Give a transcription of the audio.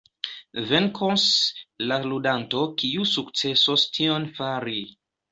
Venkos la ludanto kiu sukcesos tion fari.